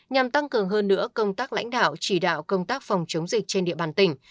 nhằm tăng cường hơn nữa công tác lãnh đạo chỉ đạo công tác phòng chống dịch trên địa bàn tỉnh